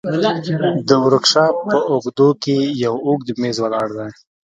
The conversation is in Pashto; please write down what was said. د ورکشاپ په اوږدو کښې يو اوږد مېز ولاړ دى.